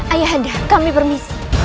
ayah ada kami permisi